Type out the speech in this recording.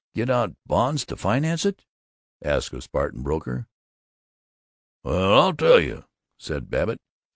Get out bonds to finance it?" asked a Sparta broker. "Well, I'll tell you," said Babbitt.